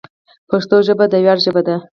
پښتو ژبه د ویاړ ژبه ده.